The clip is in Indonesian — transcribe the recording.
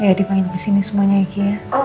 ya dipanggil kesini semuanya ya kia